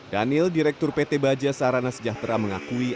daniel direktur pt bajasarana sejahtera mengakui